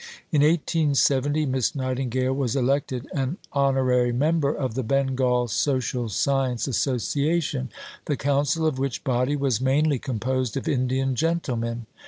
In 1870 Miss Nightingale was elected an Honorary Member of the Bengal Social Science Association, the Council of which body was mainly composed of Indian gentlemen.